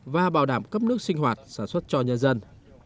và bảo đảm cấp nước sinh hoạt sản xuất cho nhân dân